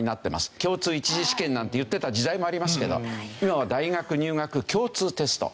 「共通１次試験」なんて言ってた時代もありますけど今は「大学入学共通テスト」。